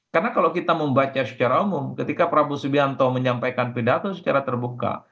karena kalau kita membaca secara umum ketika prabowo subianto menyampaikan pidato secara terbuka